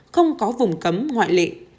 không có vùng cấm ngoại lệ